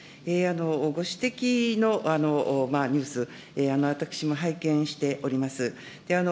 ご指摘のニュース、私も拝見しております。